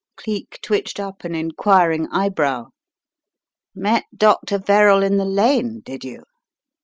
Cleek twitched up an enquiring eyebrow. "Met Dr. Verrall in the lane, did you?"